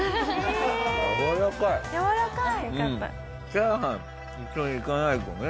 チャーハン一緒にいかないとね。